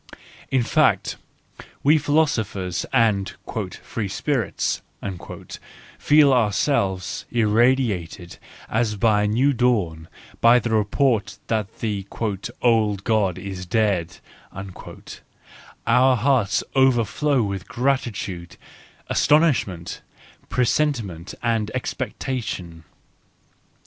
... In fact, we philo¬ sophers and " free spirits " feel ourselves irradiated as by a new dawn by the report that the "old God is dead "; our hearts overflow with gratitude, astonishment, presentiment and expectation.